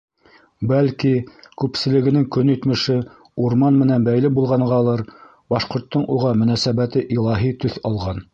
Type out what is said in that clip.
Бәлки, күпселегенең көнитмеше урман менән бәйле булғанғалыр, башҡорттоң уға мөнәсәбәте илаһи төҫ алған.